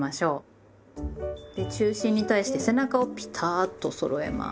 で中心に対して背中をピタッとそろえます。